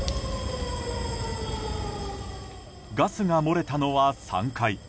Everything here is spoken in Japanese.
ガスが漏れたのは３階。